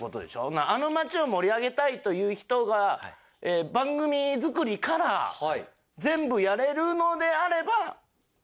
あの町を盛り上げたいという人が番組作りから全部やれるのであれば。